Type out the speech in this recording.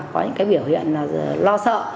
có những biểu hiện lo sợ